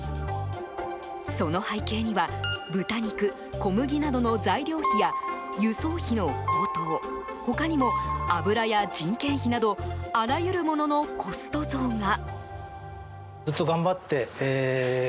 その背景には豚肉、小麦などの材料費や輸送費の高騰他にも、油や人件費などあらゆるもののコスト増が。